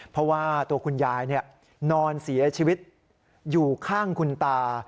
เพราะว่าตัวคุณยายนอนเสียชีวิตอยู่ข้างคุณตา